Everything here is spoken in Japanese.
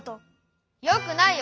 よくないよ。